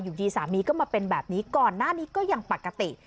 อยู่ดีสามีก็มาเป็นแบบนี้ก่อนหน้านี้ก็ยังปกติ